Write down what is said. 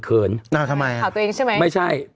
ข่าวตัวเองใช่มั้ย